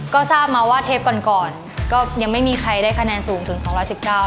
ก็ทราบมาว่าเทปก่อนก่อนก็ยังไม่มีใครได้คะแนนสูงถึงสองร้อยสิบเก้า